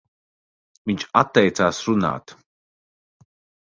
Viņš atteicās runāt.